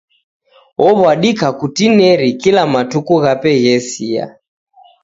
Ow'adika kutineri kila matuku ghape ghesia.